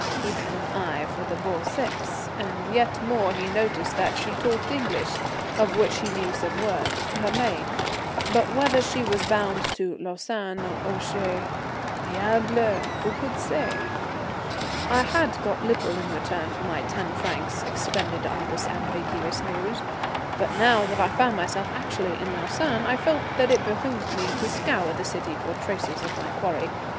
he had an eye for the beau sexe; and yet more he noticed that she talked English, of which he knew some words, to her maid. But whether she was bound to Lausanne or Ouchy, "diable, who could say?" I had got little in return for my ten francs expended on this ambiguous news, but now that I found myself actually in Lausanne I felt that it behoved me to scour the city for traces of my quarry.